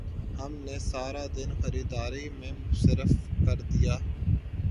ہم نے سارا دن خریداری میں صرف کر دیا